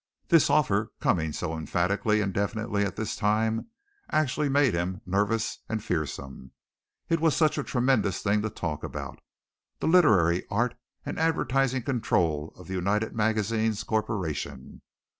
This offer coming so emphatically and definitely at this time actually made him nervous and fearsome. It was such a tremendous thing to talk about the literary, art and advertising control of the United Magazines Corporation.